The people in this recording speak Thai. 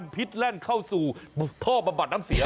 พิษแล่นเข้าสู่ท่อบำบัดน้ำเสีย